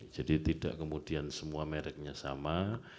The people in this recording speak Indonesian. jadi tidak kemudian semua mereknya sama